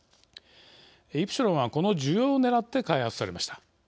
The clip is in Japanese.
イプシロンはこの需要をねらって開発されました。